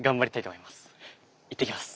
いってきます。